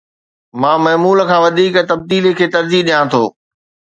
مان معمول کان وڌيڪ تبديلي کي ترجيح ڏيان ٿو